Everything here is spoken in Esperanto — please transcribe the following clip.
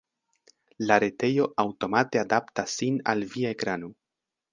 La retejo aŭtomate adaptas sin al via ekrano.